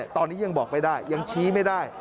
ตอนนี้ยังบอกไม่ได้ยังชี้ไม่ได้